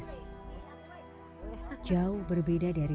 sejak subuh tadi